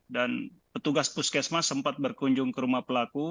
dan petugas puskesmas sempat berkunjung ke rumah pelaku